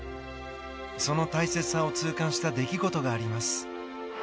その大切さを痛感した出来事があります。